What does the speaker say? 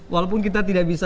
walaupun kita tidak bisa